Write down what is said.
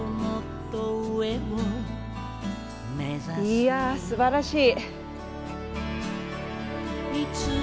いやすばらしい。